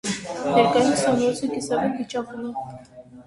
Ներկայումս ամրոցը կիսավեր վիճակում է։